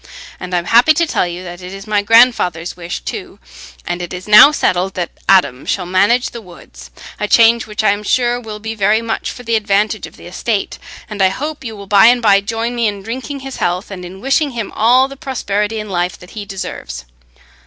And I am happy to tell you that it is my grandfather's wish too, and it is now settled that Adam shall manage the woods—a change which I am sure will be very much for the advantage of the estate; and I hope you will by and by join me in drinking his health, and in wishing him all the prosperity in life that he deserves.